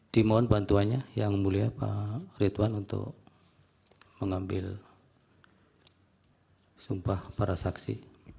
dimohon bantuannya yang mulia pak ridwan untuk mengambil sumpah para saksi